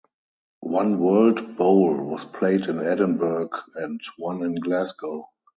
One World Bowl was played in Edinburgh and one in Glasgow.